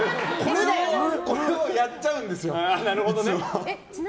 これをやっちゃうんですよいつも。